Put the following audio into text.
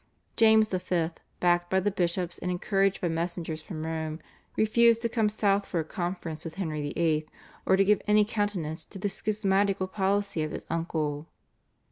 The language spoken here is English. James V., backed by the bishops and encouraged by messengers from Rome, refused to come south for a conference with Henry VIII., or to give any countenance to the schismatical policy of his uncle.